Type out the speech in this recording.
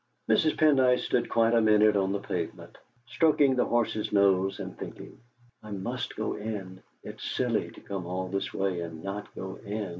Mrs. Pendyce stood quite a minute on the pavement, stroking the horse's nose and thinking: '. must go in; it's silly to come all this way and not go in!'